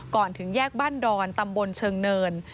ถึงแยกบ้านดอนตำบลเชิงเนิน